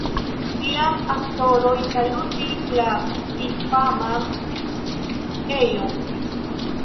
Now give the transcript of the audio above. Tiam aktoroj salutis la fifaman ejon.